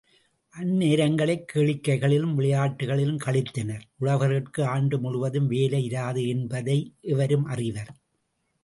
அந்நேரங்களைக் கேளிக்கைகளிலும் விளையாட்டுகளிலும் கழித்தனர் உழவர்கட்கு ஆண்டு முழுவதும் வேலை இராது என்பதை எவரும் அறிவர்.